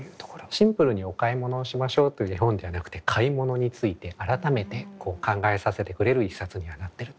シンプルにお買い物をしましょうという絵本ではなくて買い物について改めて考えさせてくれる一冊にはなってると思いますね。